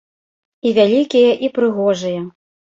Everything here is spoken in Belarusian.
І вялікія, і прыгожыя.